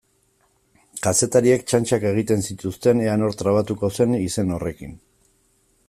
Kazetariek txantxak egiten zituzten ea nor trabatuko zen izen horrekin.